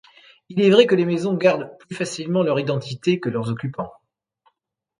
Il est vrai que les maisons gardent plus facilement leur identité que leurs occupants.